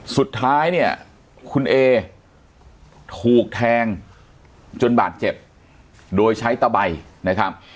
สุดท้ายเนี่ยคุณเอถูกแทงจนบาดเจ็บโดยใช้ตะใบนะครับ